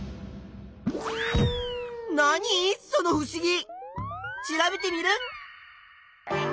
そのふしぎ！調べテミルン！